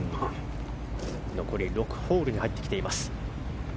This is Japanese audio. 残り６ホールに入ってきています。